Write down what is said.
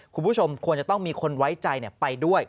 คุณผู้ชมควรจะต้องมีคนไว้ใจไปด้วย